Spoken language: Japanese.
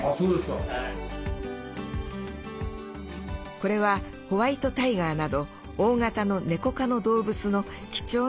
これはホワイトタイガーなど大型のネコ科の動物の貴重なエサとなります。